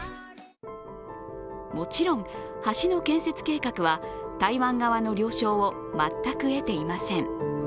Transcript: もちろん橋の建設計画は台湾側の了承を全く得ていません。